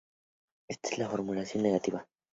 Esta es su formulación negativa.